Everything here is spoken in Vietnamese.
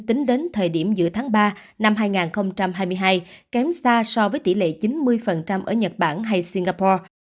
tính đến thời điểm giữa tháng ba năm hai nghìn hai mươi hai kém xa so với tỷ lệ chín mươi ở nhật bản hay singapore